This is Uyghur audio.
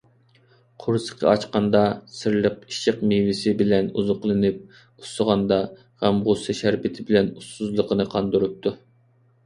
قورسىقى ئاچقاندا «سىرلىق ئىشق مېۋىسى» بىلەن ئوزۇقلىنىپ، ئۇسسىغاندا «غەم - غۇسسە شەربىتى» بىلەن ئۇسسۇزلۇقىنى قاندۇرۇپتۇ.